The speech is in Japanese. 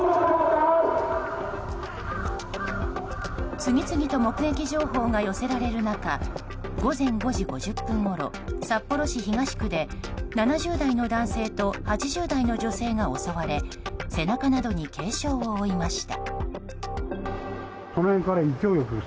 次々と目撃情報が寄せられる中午前５時５０分ごろ札幌市東区で７０代の男性と８０代の女性が襲われ背中などに軽傷を負いました。